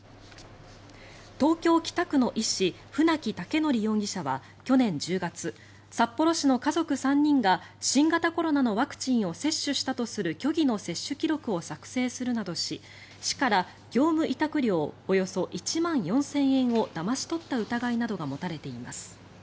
東京・北区の医師船木威徳容疑者は去年１０月札幌市の家族３人が新型コロナのワクチンを接種したとする虚偽の接種記録を作成するなどし市から業務委託料およそ１万４０００円をだまし取った疑いなどが持たれています。